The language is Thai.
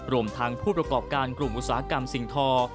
รวมทั้งผู้ประกอบการกลุ่มอุตสาหกรรมสิ่งทอ